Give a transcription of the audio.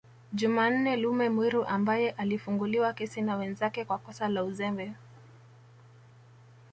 Jumanne Lume Mwiru ambaye alifunguliwa kesi na wenzake kwa kosa la uzembe